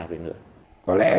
có lẽ đây là ý nghĩa của cptpp